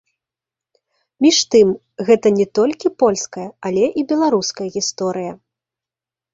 Між тым, гэта не толькі польская, але і беларуская гісторыя.